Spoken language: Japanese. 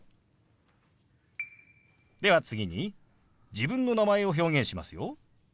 では次に自分の名前を表現しますよ。